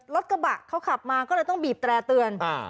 รถกระบะเขาขับมาก็เลยต้องบีบแตร่เตือน